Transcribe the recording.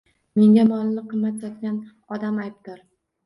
Menga molini qimmat sotgan odam aybdor